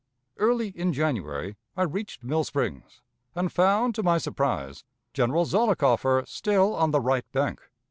Early in January, I reached Mill Springs, and found, to my surprise. General Zollicoffer still on the right bank.